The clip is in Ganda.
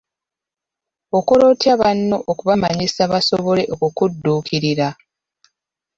Okola otya banno okubamanyisa basobole okukudduukirira?